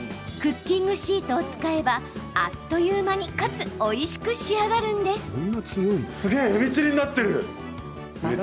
クッキングシートを使えばあっという間にかつおいしく仕上がるんです。